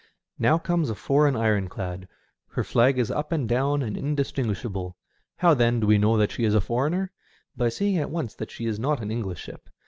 Now comes a foreign ironclad. Her flag is up and down and indistinguishable. How, then, do we know that she is a foreigner ? By seeing at once that she is not an English ship.